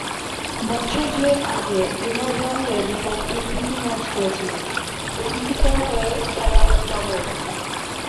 বছর দুয়েক আগে এভারগ্রান্দের বিপক্ষে প্রীতি ম্যাচে করেছিলেন, বেনফিকার হয়ে খেলার সময়ও।